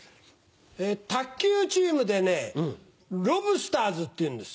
卓球チームでねロブスターズっていうんです。